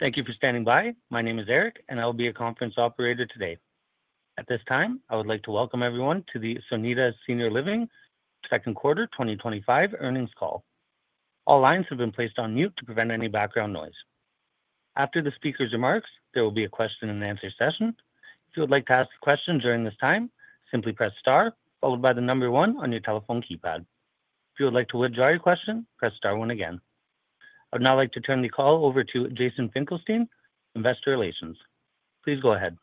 Thank you for standing by. My name is Eric, and I will be your conference operator today. At this time, I would like to welcome everyone to the Sonida Senior Living Second Quarter 2025 Earnings Call. All lines have been placed on mute to prevent any background noise. After the speaker's remarks, there will be a question-and-answer session. If you would like to ask a question during this time, simply press star, followed by the number one on your telephone keypad. If you would like to withdraw your question, press star one again. I would now like to turn the call over to Jason Finkelstein, Investor Relations. Please go ahead.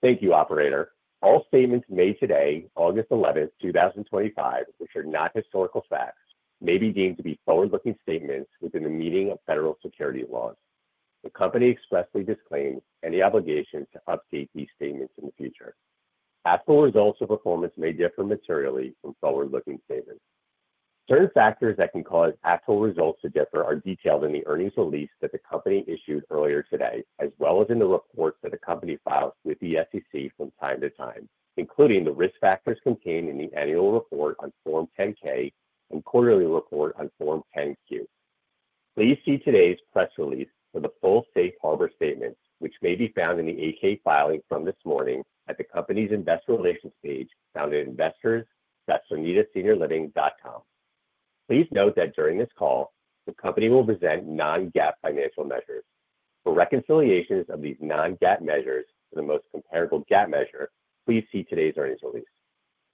Thank you, Operator. All statements made today, August 11, 2025, which are not historical facts, may be deemed to be forward-looking statements within the meaning of federal securities laws. The company expressly disclaims any obligation to update these statements in the future. Actual results or performance may differ materially from forward-looking statements. Certain factors that can cause actual results to differ are detailed in the earnings release that the company issued earlier today, as well as in the reports that the company files with the SEC from time to time, including the risk factors contained in the annual report on Form 10-K and quarterly report on Form 10-Q. Please see today's press release for the full Safe Harbor statement, which may be found in the 8-K filing from this morning at the company's Investor Relations page found at investors.sonidaseniorliving.com. Please note that during this call, the company will present non-GAAP financial measures. For reconciliations of these non-GAAP measures to the most comparable GAAP measure, please see today's earnings release.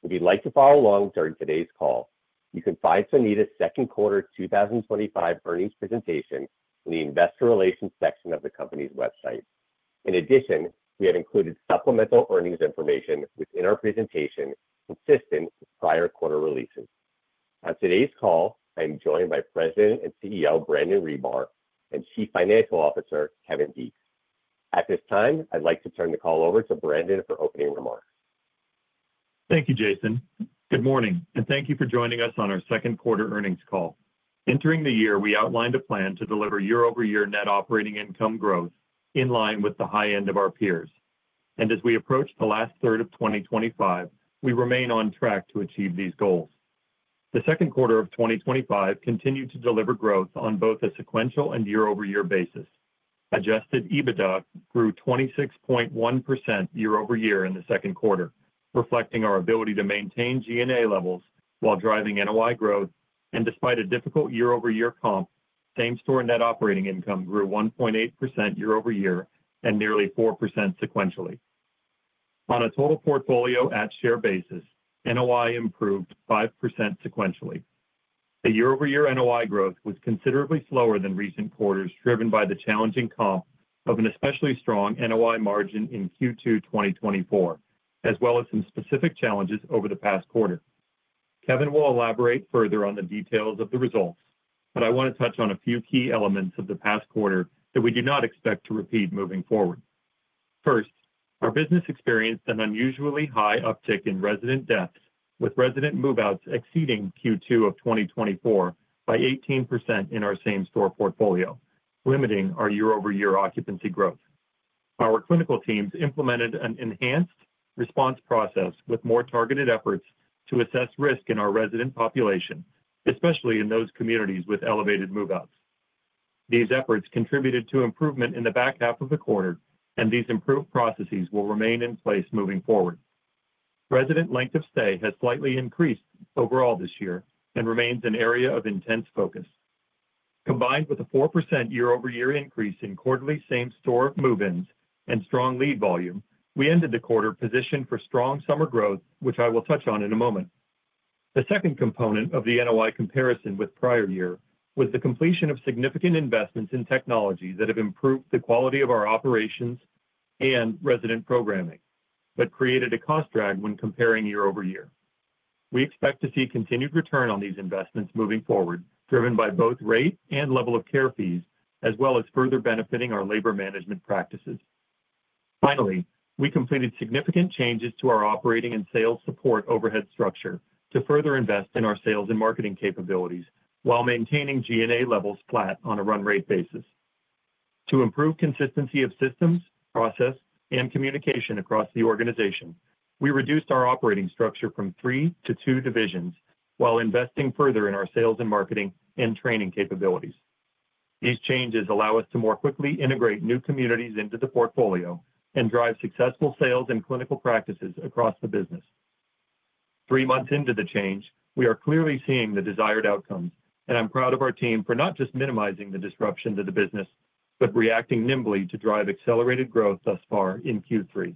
If you'd like to follow along during today's call, you can find Sonida's Second Quarter 2025 Earnings presentation in the Investor Relations section of the company's website. In addition, we have included supplemental earnings information within our presentation consistent with prior quarter releases. On today's call, I am joined by President and CEO Brandon Ribar and Chief Financial Officer Kevin Detz. At this time, I'd like to turn the call over to Brandon for opening remarks. Thank you, Jason. Good morning, and thank you for joining us on our second quarter earnings call. Entering the year, we outlined a plan to deliver year-over-year net operating income growth in line with the high end of our peers. As we approach the last third of 2025, we remain on track to achieve these goals. The second quarter of 2025 continued to deliver growth on both a sequential and year-over-year basis. Adjusted EBITDA grew 26.1% year-over-year in the second quarter, reflecting our ability to maintain G&A expenses levels while driving NOI growth. Despite a difficult year-over-year comp, same-store net operating income grew 1.8% year-over-year and nearly 4% sequentially. On a total portfolio at share basis, NOI improved 5% sequentially. The year-over-year NOI growth was considerably slower than recent quarters, driven by the challenging comp of an especially strong NOI margin in Q2 2024, as well as some specific challenges over the past quarter. Kevin will elaborate further on the details of the results, but I want to touch on a few key elements of the past quarter that we do not expect to repeat moving forward. First, our business experienced an unusually high uptick in resident deaths, with resident move-outs exceeding Q2 of 2024 by 18% in our same-store portfolio, limiting our year-over-year occupancy growth. Our clinical teams implemented an enhanced response process with more targeted efforts to assess risk in our resident population, especially in those communities with elevated move-outs. These efforts contributed to improvement in the back half of the quarter, and these improved processes will remain in place moving forward. Resident length of stay has slightly increased overall this year and remains an area of intense focus. Combined with a 4% year-over-year increase in quarterly same-store move-ins and strong lead volume, we ended the quarter positioned for strong summer growth, which I will touch on in a moment. A second component of the NOI comparison with prior year was the completion of significant investments in technology that have improved the quality of our operations and resident programming, but created a cost drag when comparing year-over-year. We expect to see continued return on these investments moving forward, driven by both rate and level of care fees, as well as further benefiting our labor management practices. Finally, we completed significant changes to our operating and sales support overhead structure to further invest in our sales and marketing capabilities while maintaining G&A levels flat on a run-rate basis. To improve consistency of systems, process, and communication across the organization, we reduced our operating structure from three to two divisions while investing further in our sales and marketing and training capabilities. These changes allow us to more quickly integrate new communities into the portfolio and drive successful sales and clinical practices across the business. Three months into the change, we are clearly seeing the desired outcomes, and I'm proud of our team for not just minimizing the disruption to the business, but reacting nimbly to drive accelerated growth thus far in Q3.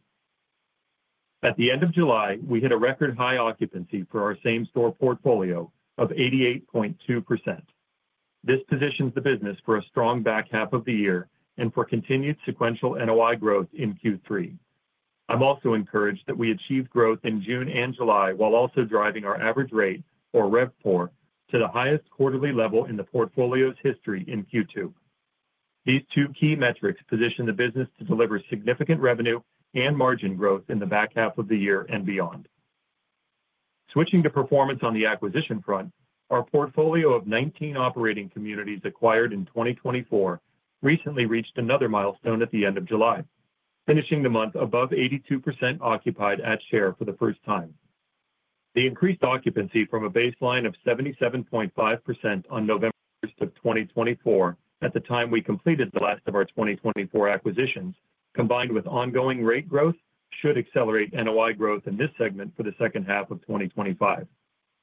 At the end of July, we hit a record high occupancy for our same-store portfolio of 88.2%. This positions the business for a strong back half of the year and for continued sequential NOI growth in Q3. I'm also encouraged that we achieved growth in June and July while also driving our average rate, or RevPOR, to the highest quarterly level in the portfolio's history in Q2. These two key metrics position the business to deliver significant revenue and margin growth in the back half of the year and beyond. Switching to performance on the acquisition front, our portfolio of 19 operating communities acquired in 2024 recently reached another milestone at the end of July, finishing the month above 82% occupied at share for the first time. The increased occupancy from a baseline of 77.5% on November 1st, 2024, at the time we completed the last of our 2024 acquisitions, combined with ongoing rate growth, should accelerate NOI growth in this segment for the second half of 2025.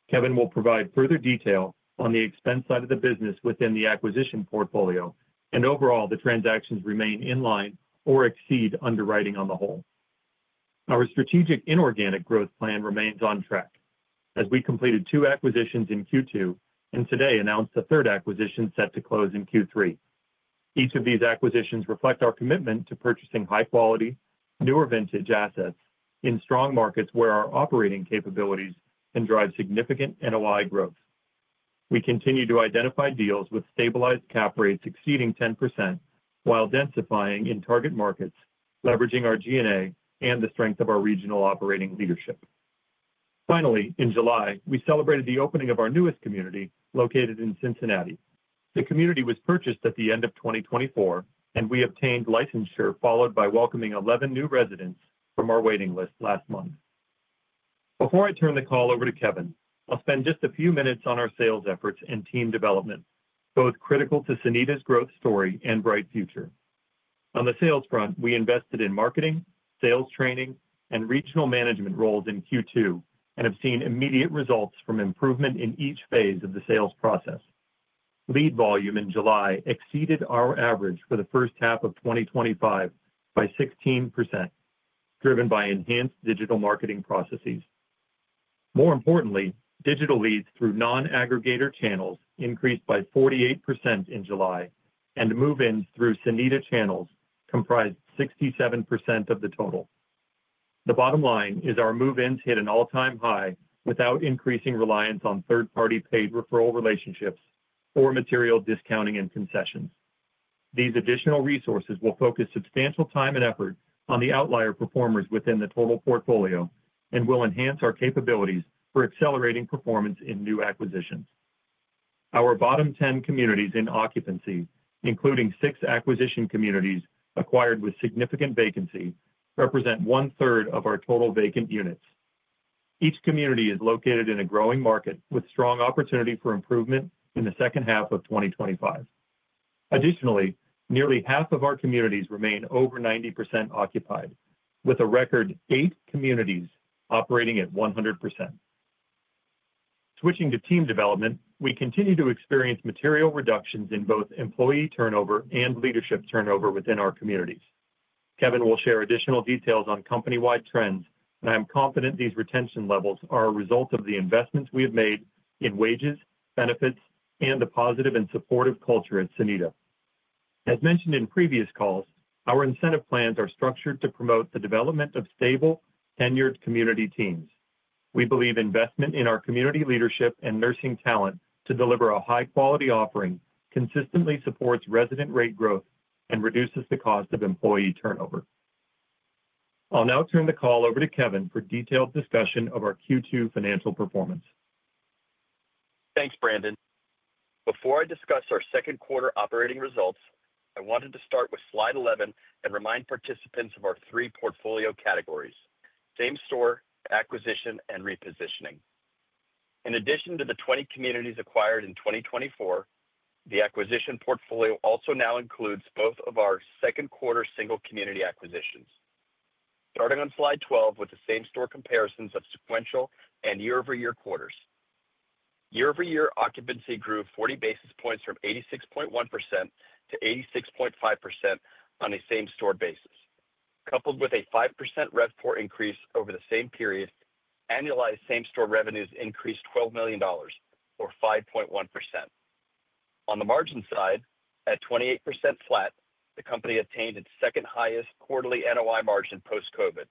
Kevin will provide further detail on the expense side of the business within the acquisition portfolio, and overall, the transactions remain in line or exceed underwriting on the whole. Our strategic inorganic growth plan remains on track, as we completed two acquisitions in Q2 and today announced a third acquisition set to close in Q3. Each of these acquisitions reflects our commitment to purchasing high-quality, newer vintage assets in strong markets where our operating capabilities can drive significant NOI growth. We continue to identify deals with stabilized cap rates exceeding 10% while densifying in target markets, leveraging our G&A and the strength of our regional operating leadership. Finally, in July, we celebrated the opening of our newest community located in Cincinnati. The community was purchased at the end of 2024, and we obtained licensure, followed by welcoming 11 new residents from our waiting list last month. Before I turn the call over to Kevin, I'll spend just a few minutes on our sales efforts and team development, both critical to Sonida's growth story and bright future. On the sales front, we invested in marketing, sales training, and regional management roles in Q2 and have seen immediate results from improvement in each phase of the sales process. Lead volume in July exceeded our average for the first half of 2025 by 16%, driven by enhanced digital marketing processes. More importantly, digital leads through non-aggregator channels increased by 48% in July, and move-ins through Sonida channels comprised 67% of the total. The bottom line is our move-ins hit an all-time high without increasing reliance on third-party paid referral relationships or material discounting and concessions. These additional resources will focus substantial time and effort on the outlier performers within the total portfolio and will enhance our capabilities for accelerating performance in new acquisitions. Our bottom 10 communities in occupancy, including six acquisition communities acquired with significant vacancy, represent one-third of our total vacant units. Each community is located in a growing market with strong opportunity for improvement in the second half of 2025. Additionally, nearly half of our communities remain over 90% occupied, with a record eight communities operating at 100%. Switching to team development, we continue to experience material reductions in both employee turnover and leadership turnover within our communities. Kevin will share additional details on company-wide trends, and I'm confident these retention levels are a result of the investments we have made in wages, benefits, and the positive and supportive culture at Sonida. As mentioned in previous calls, our incentive plans are structured to promote the development of stable, tenured community teams. We believe investment in our community leadership and nursing talent to deliver a high-quality offering consistently supports resident rate growth and reduces the cost of employee turnover. I'll now turn the call over to Kevin for a detailed discussion of our Q2 financial performance. Thanks, Brandon. Before I discuss our second quarter operating results, I wanted to start with slide 11 and remind participants of our three portfolio categories: same-store, acquisition, and repositioning. In addition to the 20 communities acquired in 2024, the acquisition portfolio also now includes both of our second quarter single community acquisitions. Starting on slide 12 with the same-store comparisons of sequential and year-over-year quarters. Year-over-year occupancy grew 40 basis points from 86.1%-86.5% on a same-store basis. Coupled with a 5% RevPOR increase over the same period, annualized same-store revenues increased $12 million, or 5.1%. On the margin side, at 28% flat, the company attained its second highest quarterly NOI margin post-COVID,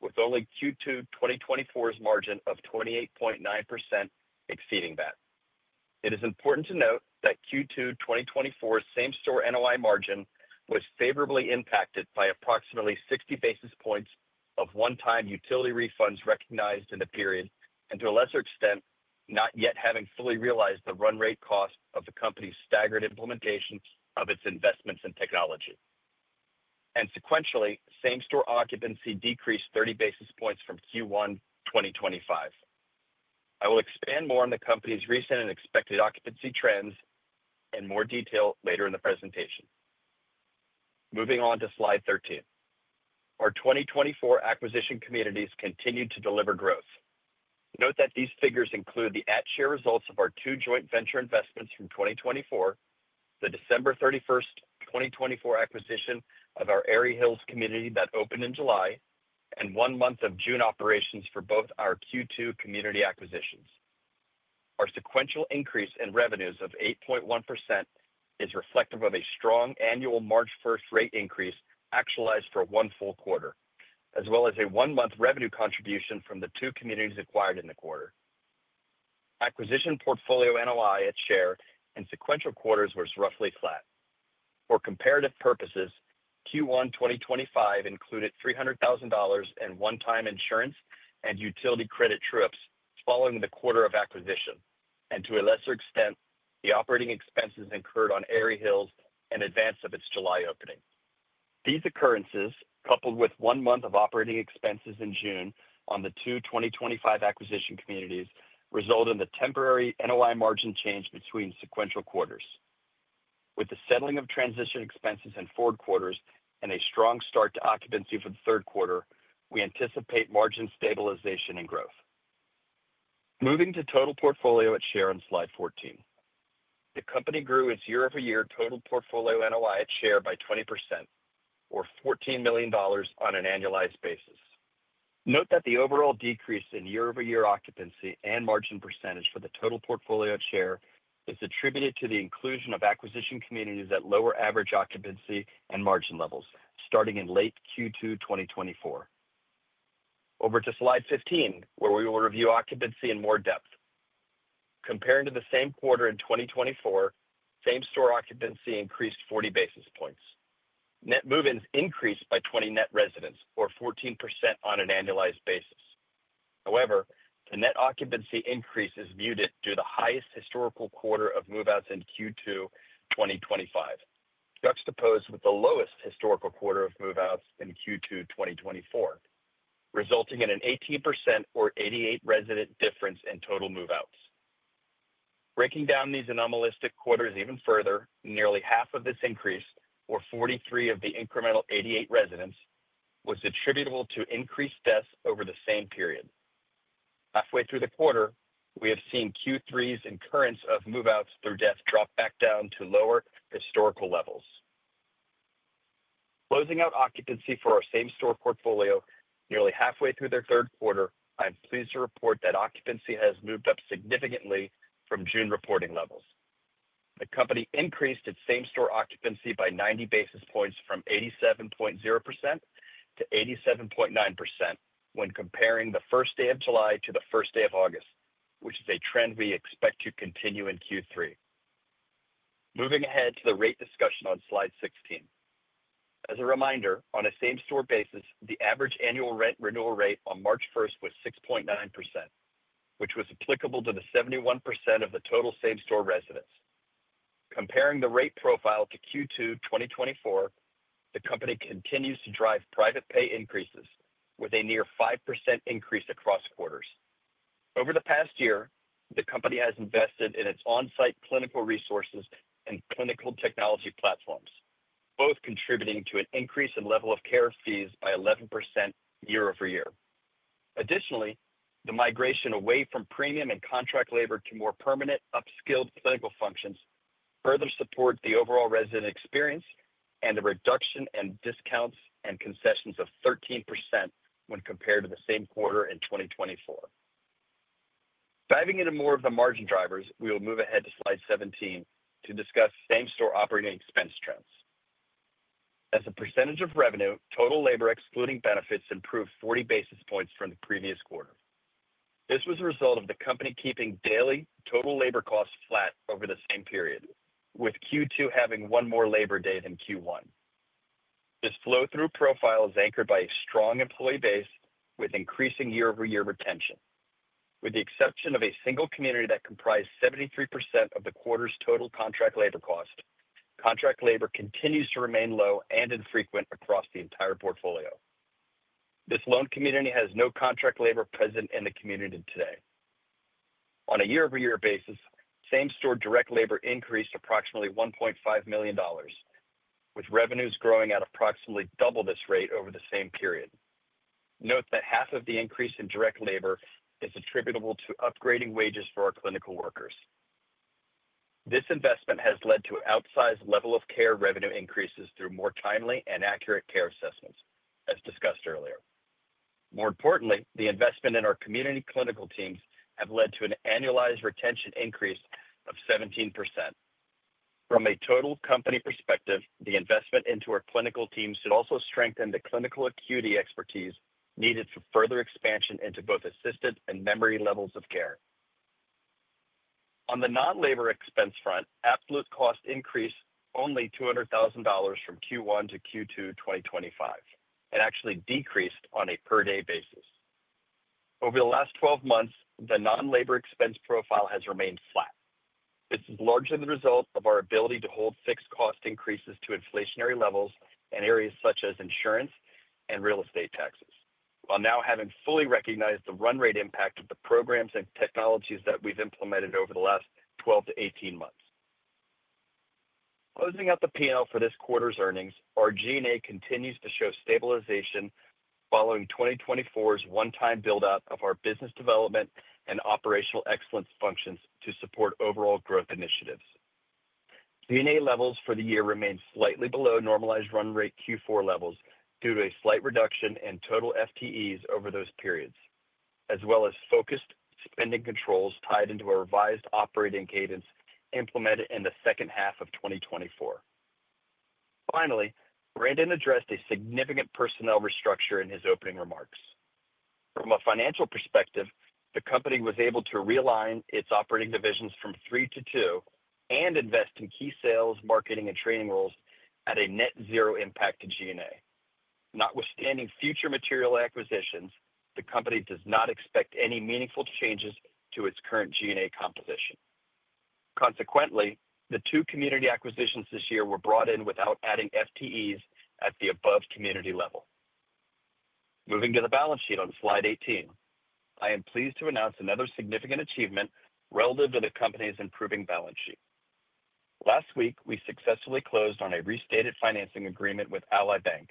with only Q2 2024's margin of 28.9% exceeding that. It is important to note that Q2 2024's same-store NOI margin was favorably impacted by approximately 60 basis points of one-time utility refunds recognized in the period, and to a lesser extent, not yet having fully realized the run rate cost of the company's staggered implementation of its investments in technology. Sequentially, same-store occupancy decreased 30 basis points from Q1 2025. I will expand more on the company's recent and expected occupancy trends in more detail later in the presentation. Moving on to slide 13. Our 2024 acquisition communities continue to deliver growth. Note that these figures include the at-share results of our two joint venture investments from 2024, the December 31st, 2024 acquisition of our Airy Hills community that opened in July, and one month of June operations for both our Q2 community acquisitions. Our sequential increase in revenues of 8.1% is reflective of a strong annual March 1st rate increase actualized for one full quarter, as well as a one-month revenue contribution from the two communities acquired in the quarter. Acquisition portfolio NOI at share in sequential quarters was roughly flat. For comparative purposes, Q1 2025 included $300,000 in one-time insurance and utility credit trues following the quarter of acquisition, and to a lesser extent, the operating expenses incurred on Airy Hills in advance of its July opening. These occurrences, coupled with one month of operating expenses in June on the two 2025 acquisition communities, result in the temporary NOI margin change between sequential quarters. With the settling of transition expenses in four quarters and a strong start to occupancy for the third quarter, we anticipate margin stabilization and growth. Moving to total portfolio at share on slide 14, the company grew its year-over-year total portfolio NOI at share by 20%, or $14 million on an annualized basis. Note that the overall decrease in year-over-year occupancy and margin percentage for the total portfolio at share is attributed to the inclusion of acquisition communities at lower average occupancy and margin levels starting in late Q2 2024. Over to slide 15, where we will review occupancy in more depth. Comparing to the same quarter in 2024, same-store occupancy increased 40 basis points. Net move-ins increased by 20 net residents, or 14% on an annualized basis. However, the net occupancy increase is muted due to the highest historical quarter of move-outs in Q2 2025, juxtaposed with the lowest historical quarter of move-outs in Q2 2024, resulting in an 18% or 88 resident difference in total move-outs. Breaking down these anomalistic quarters even further, nearly half of this increase, or 43 of the incremental 88 residents, was attributable to increased deaths over the same period. Halfway through the quarter, we have seen Q3's incurrence of move-outs through deaths drop back down to lower historical levels. Closing out occupancy for our same-store portfolio, nearly halfway through their third quarter, I'm pleased to report that occupancy has moved up significantly from June reporting levels. The company increased its same-store occupancy by 90 basis points from 87.0%-87.9% when comparing the first day of July to the first day of August, which is a trend we expect to continue in Q3. Moving ahead to the rate discussion on slide 16. As a reminder, on a same-store basis, the average annual rent renewal rate on March 1st was 6.9%, which was applicable to the 71% of the total same-store residents. Comparing the rate profile to Q2 2024, the company continues to drive private pay increases with a near 5% increase across quarters. Over the past year, the company has invested in its onsite clinical resources and clinical technology platforms, both contributing to an increase in level of care fees by 11% year-over-year. Additionally, the migration away from premium and contract labor to more permanent upskilled clinical functions further supports the overall resident experience and a reduction in discounts and concessions of 13% when compared to the same quarter in 2024. Diving into more of the margin drivers, we will move ahead to slide 17 to discuss same-store operating expense trends. As a percentage of revenue, total labor excluding benefits improved 40 basis points from the previous quarter. This was a result of the company keeping daily total labor costs flat over the same period, with Q2 having one more labor day than Q1. This flow-through profile is anchored by a strong employee base with increasing year-over-year retention. With the exception of a single community that comprised 73% of the quarter's total contract labor cost, contract labor continues to remain low and infrequent across the entire portfolio. This lone community has no contract labor present in the community today. On a year-over-year basis, same-store direct labor increased approximately $1.5 million, with revenues growing at approximately double this rate over the same period. Note that half of the increase in direct labor is attributable to upgrading wages for our clinical workers. This investment has led to outsized level of care revenue increases through more timely and accurate care assessments, as discussed earlier. More importantly, the investment in our community clinical teams has led to an annualized retention increase of 17%. From a total company perspective, the investment into our clinical teams should also strengthen the clinical acuity expertise needed for further expansion into both assisted living and memory care levels of care. On the non-labor expense front, absolute cost increased only $200,000 from Q1 to Q2 2025, and actually decreased on a per-day basis. Over the last 12 months, the non-labor expense profile has remained flat. This is largely the result of our ability to hold fixed cost increases to inflationary levels in areas such as insurance and real estate taxes, while now having fully recognized the run rate impact of the programs and technologies that we've implemented over the last 12 months-18 months. Closing out the P&L for this quarter's earnings, our G&A continues to show stabilization following 2024's one-time build-up of our business development and operational excellence functions to support overall growth initiatives. G&A levels for the year remain slightly below normalized run rate Q4 levels due to a slight reduction in total FTEs over those periods, as well as focused spending controls tied into a revised operating cadence implemented in the second half of 2024. Finally, Brandon addressed a significant personnel restructure in his opening remarks. From a financial perspective, the company was able to realign its operating divisions from three to two and invest in key sales, marketing, and training roles at a net zero impact to G&A. Notwithstanding future material acquisitions, the company does not expect any meaningful changes to its current G&A composition. Consequently, the two community acquisitions this year were brought in without adding FTEs at the above community level. Moving to the balance sheet on slide 18, I am pleased to announce another significant achievement relative to the company's improving balance sheet. Last week, we successfully closed on a restated financing agreement with Ally Bank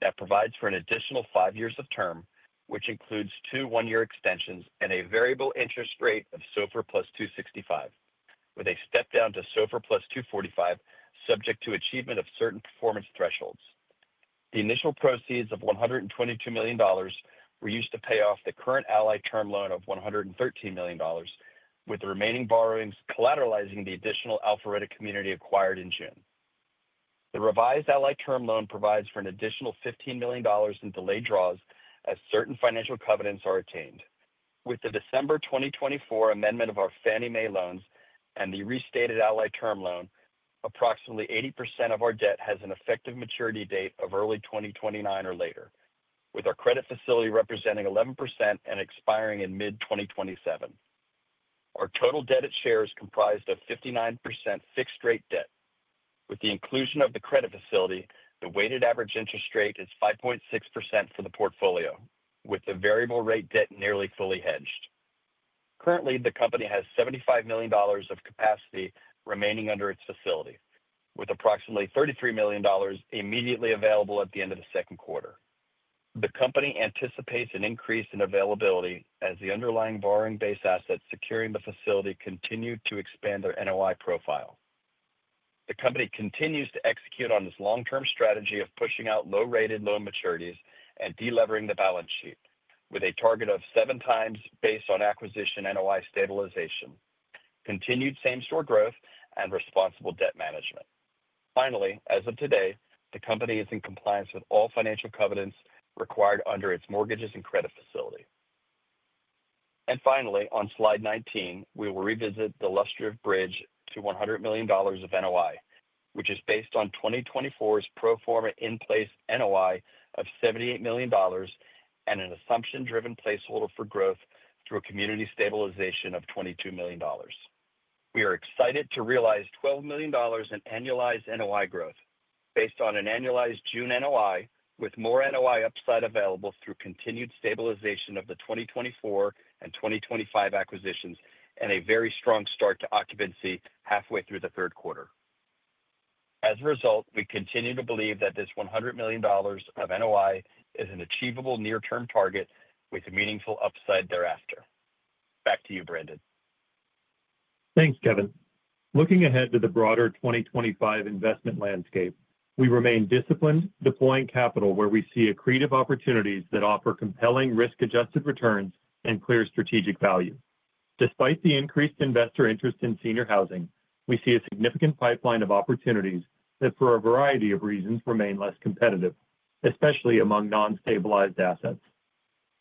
that provides for an additional five years of term, which includes two one-year extensions and a variable interest rate of SOFR plus 2.65%, with a step down to SOFR plus 2.45% subject to achievement of certain performance thresholds. The initial proceeds of $122 million were used to pay off the current Ally term loan of $113 million, with the remaining borrowings collateralizing the additional Alpharetta community acquired in June. The revised Ally term loan provides for an additional $15 million in delayed draws as certain financial covenants are attained. With the December 2024 amendment of our Fannie Mae loans and the restated Ally term loan, approximately 80% of our debt has an effective maturity date of early 2029 or later, with our credit facility representing 11% and expiring in mid-2027. Our total debt at share is comprised of 59% fixed-rate debt. With the inclusion of the credit facility, the weighted average interest rate is 5.6% for the portfolio, with the variable-rate debt nearly fully hedged. Currently, the company has $75 million of capacity remaining under its facility, with approximately $33 million immediately available at the end of the second quarter. The company anticipates an increase in availability as the underlying borrowing-based assets securing the facility continue to expand their NOI profile. The company continues to execute on its long-term strategy of pushing out low-rated loan maturities and delevering the balance sheet, with a target of seven times based on acquisition NOI stabilization, continued same-store growth, and responsible debt management. As of today, the company is in compliance with all financial covenants required under its mortgages and credit facility. On slide 19, we will revisit the lustrous bridge to $100 million of NOI, which is based on 2024's pro forma in-place NOI of $78 million and an assumption-driven placeholder for growth through a community stabilization of $22 million. We are excited to realize $12 million in annualized NOI growth, based on an annualized June NOI, with more NOI upside available through continued stabilization of the 2024 and 2025 acquisitions and a very strong start to occupancy halfway through the third quarter. As a result, we continue to believe that this $100 million of NOI is an achievable near-term target with a meaningful upside thereafter. Back to you, Brandon. Thanks, Kevin. Looking ahead to the broader 2025 investment landscape, we remain disciplined, deploying capital where we see accretive opportunities that offer compelling risk-adjusted returns and clear strategic value. Despite the increased investor interest in senior housing, we see a significant pipeline of opportunities that, for a variety of reasons, remain less competitive, especially among non-stabilized assets.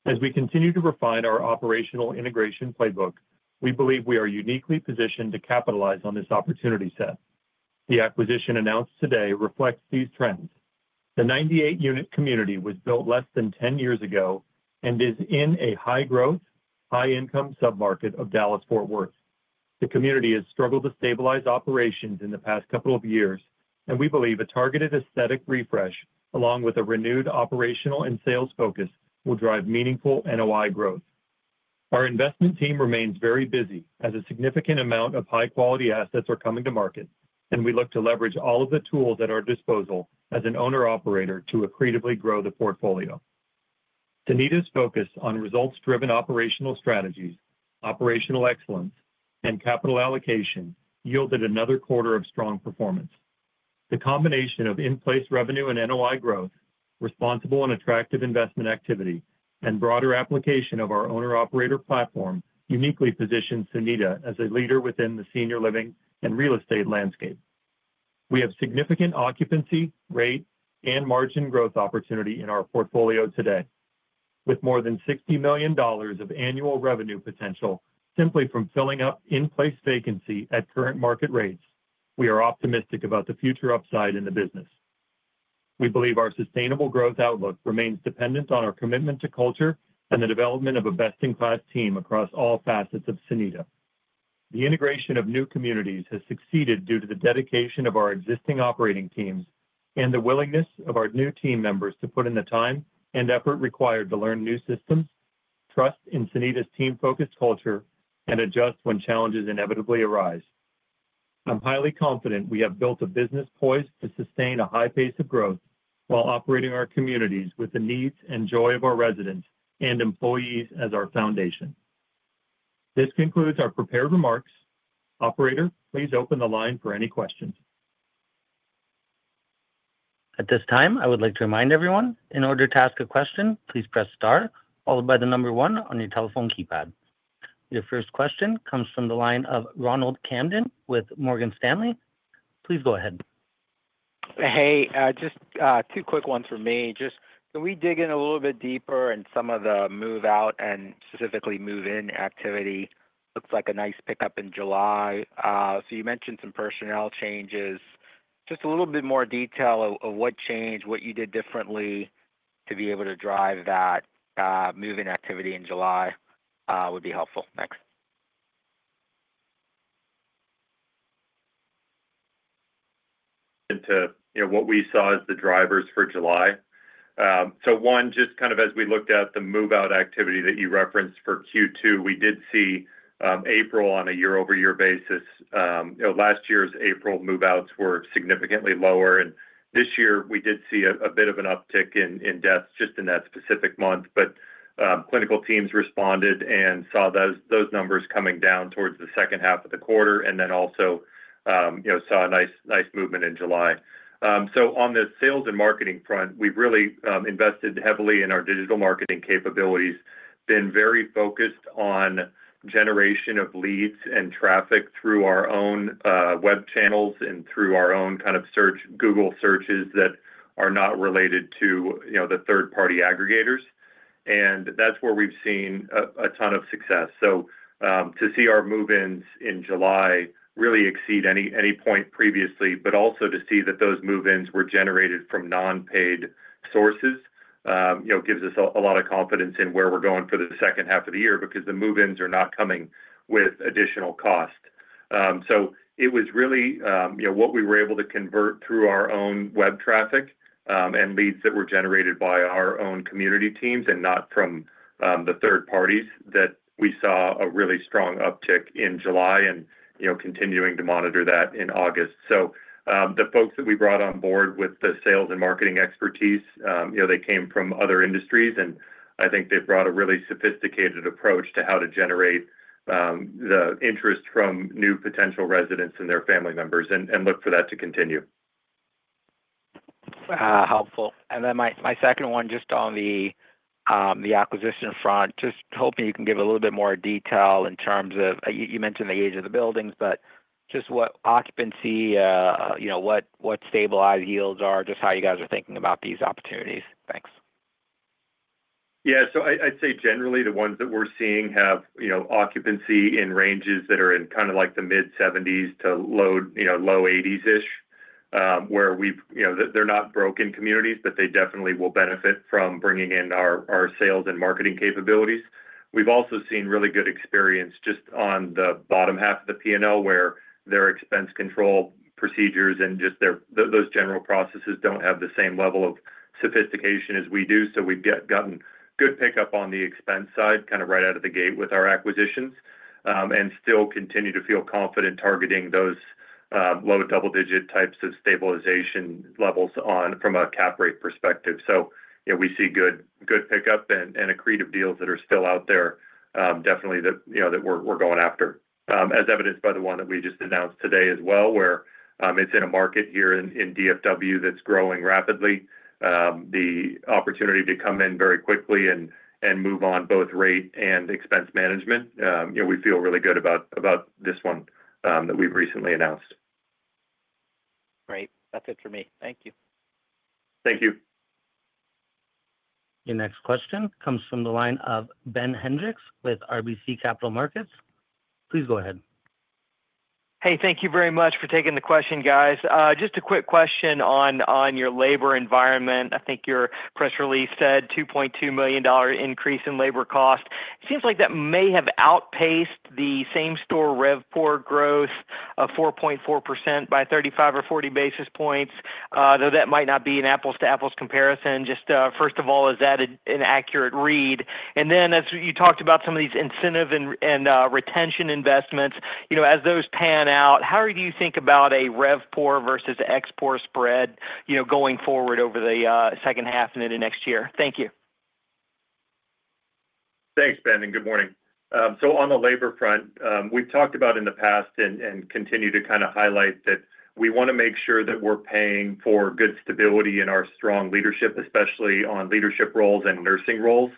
As we continue to refine our operational integration playbook, we believe we are uniquely positioned to capitalize on this opportunity set. The acquisition announced today reflects these trends. The 98-unit community was built less than 10 years ago and is in a high-growth, high-income submarket of Dallas-Fort Worth. The community has struggled to stabilize operations in the past couple of years, and we believe a targeted aesthetic refresh, along with a renewed operational and sales focus, will drive meaningful NOI growth. Our investment team remains very busy as a significant amount of high-quality assets are coming to market, and we look to leverage all of the tools at our disposal as an owner-operator to accretively grow the portfolio. Sonida's focus on results-driven operational strategies, operational excellence, and capital allocation yielded another quarter of strong performance. The combination of in-place revenue and NOI growth, responsible and attractive investment activity, and broader application of our owner-operator platform uniquely positioned Sonida as a leader within the senior living and real estate landscape. We have significant occupancy, rate, and margin growth opportunity in our portfolio today. With more than $60 million of annual revenue potential simply from filling up in-place vacancy at current market rates, we are optimistic about the future upside in the business. We believe our sustainable growth outlook remains dependent on our commitment to culture and the development of a best-in-class team across all facets of Sonida. The integration of new communities has succeeded due to the dedication of our existing operating teams and the willingness of our new team members to put in the time and effort required to learn new systems, trust in Sonida's team-focused culture, and adjust when challenges inevitably arise. I'm highly confident we have built a business poised to sustain a high pace of growth while operating our communities with the needs and joy of our residents and employees as our foundation. This concludes our prepared remarks. Operator, please open the line for any questions. At this time, I would like to remind everyone, in order to ask a question, please press star, followed by the number one on your telephone keypad. Your first question comes from the line of Ronald Kamdem with Morgan Stanley. Please go ahead. Hey, just two quick ones from me. Can we dig in a little bit deeper in some of the move-out and specifically move-in activity? It looks like a nice pickup in July. You mentioned some personnel changes. A little bit more detail of what changed, what you did differently to be able to drive that move-in activity in July would be helpful. Thanks. To what we saw as the drivers for July. One, just kind of as we looked at the move-out activity that you referenced for Q2, we did see April on a year-over-year basis. Last year's April move-outs were significantly lower, and this year we did see a bit of an uptick in deaths just in that specific month. Clinical teams responded and saw those numbers coming down towards the second half of the quarter and also saw a nice movement in July. On the sales and marketing front, we've really invested heavily in our digital marketing capabilities, been very focused on generation of leads and traffic through our own web channels and through our own kind of search, Google searches that are not related to the third-party aggregators. That's where we've seen a ton of success. To see our move-ins in July really exceed any point previously, but also to see that those move-ins were generated from non-paid sources gives us a lot of confidence in where we're going for the second half of the year because the move-ins are not coming with additional cost. It was really what we were able to convert through our own web traffic and leads that were generated by our own community teams and not from the third parties that we saw a really strong uptick in July and continuing to monitor that in August. The folks that we brought on board with the sales and marketing expertise came from other industries and I think they've brought a really sophisticated approach to how to generate the interest from new potential residents and their family members and look for that to continue. Helpful. My second one just on the acquisition front, hoping you can give a little bit more detail in terms of, you mentioned the age of the buildings, but just what occupancy, what stabilized yields are, just how you guys are thinking about these opportunities. Thanks. Yeah, I'd say generally the ones that we're seeing have occupancy in ranges that are in the mid-70s to low 80s, where they're not broken communities, but they definitely will benefit from bringing in our sales and marketing capabilities. We've also seen really good experience just on the bottom half of the P&L, where their expense control procedures and just those general processes don't have the same level of sophistication as we do. We've gotten good pickup on the expense side right out of the gate with our acquisitions and still continue to feel confident targeting those low double-digit types of stabilization levels from a cap rate perspective. We see good pickup and accretive deals that are still out there, definitely that we're going after. As evidenced by the one that we just announced today as well, where it's in a market here in DFW that's growing rapidly, the opportunity to come in very quickly and move on both rate and expense management. We feel really good about this one that we've recently announced. Great. That's it for me. Thank you. Thank you. Your next question comes from the line of Ben Hendrixwith RBC Capital Markets. Please go ahead. Hey, thank you very much for taking the question, guys. Just a quick question on your labor environment. I think your press release said $2.2 million increase in labor cost. It seems like that may have outpaced the same-store RevPOR growth of 4.4% by 35 basis points or 40 basis points, though that might not be an apples-to-apples comparison. First of all, is that an accurate read? As you talked about some of these incentive and retention investments, as those pan out, how do you think about a RevPOR versus ExPOR spread going forward over the second half and into next year? Thank you. Thanks, Ben, and good morning. On the labor front, we've talked about in the past and continue to highlight that we want to make sure that we're paying for good stability in our strong leadership, especially in leadership roles and nursing roles.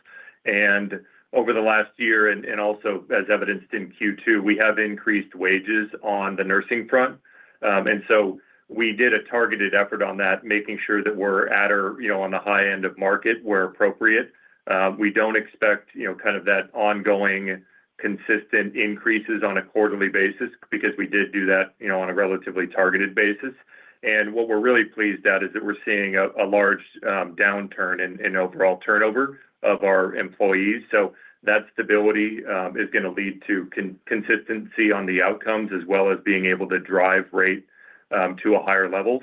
Over the last year, and also as evidenced in Q2, we have increased wages on the nursing front. We did a targeted effort on that, making sure that we're at our, you know, on the high end of market where appropriate. We don't expect that ongoing consistent increases on a quarterly basis because we did do that on a relatively targeted basis. What we're really pleased at is that we're seeing a large downturn in overall turnover of our employees. That stability is going to lead to consistency on the outcomes as well as being able to drive rate to a higher level.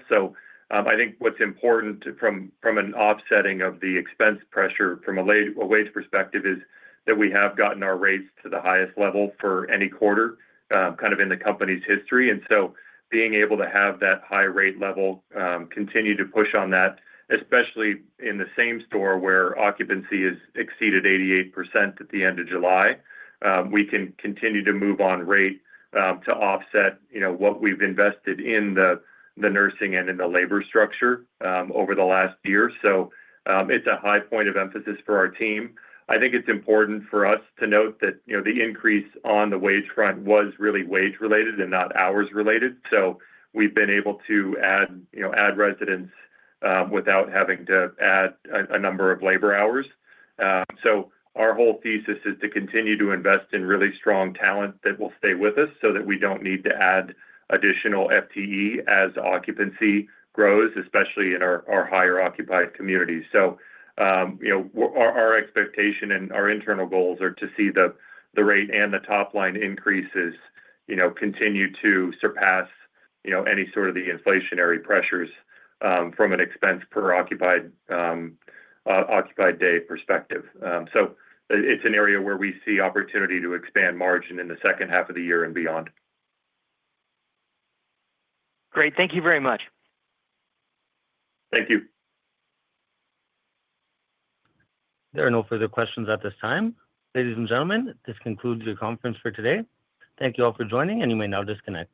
I think what's important from an offsetting of the expense pressure from a wage perspective is that we have gotten our rates to the highest level for any quarter in the company's history. Being able to have that high rate level, continue to push on that, especially in the same store where occupancy has exceeded 88% at the end of July, we can continue to move on rate to offset what we've invested in the nursing and in the labor structure over the last year. It's a high point of emphasis for our team. I think it's important for us to note that the increase on the wage front was really wage-related and not hours-related. We've been able to add residents without having to add a number of labor hours. Our whole thesis is to continue to invest in really strong talent that will stay with us so that we don't need to add additional FTE as occupancy grows, especially in our higher occupied communities. Our expectation and our internal goals are to see the rate and the top line increases continue to surpass any sort of the inflationary pressures from an expense per occupied day perspective. It's an area where we see opportunity to expand margin in the second half of the year and beyond. Great, thank you very much. Thank you. There are no further questions at this time. Ladies and gentlemen, this concludes your conference for today. Thank you all for joining, and you may now disconnect.